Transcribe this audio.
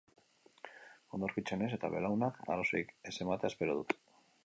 Ondo aurkitzen naiz, eta belaunak arazorik ez ematea espero dut.